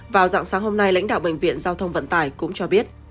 vào dạng sáng hôm nay lãnh đạo bệnh viện giao thông vận tải cũng cho biết